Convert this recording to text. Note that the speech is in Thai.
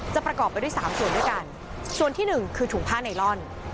จะประกอบไปด้วย๓ส่วนด้วยกันส่วนที่๑คือถุงผ้าไนลอน